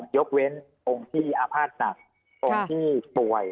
ยกเว้นองค์ที่อาภาษณ์หนักองค์ที่ป่วย